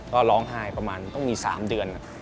ก็ร้องไห้ประมาณต้องมี๓เดือน